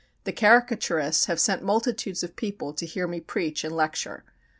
The caricaturists have sent multitudes of people to hear me preach and lecture.